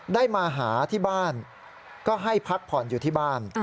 ได้มาหาที่บ้านก็ให้พักผ่อนอยู่ที่บ้าน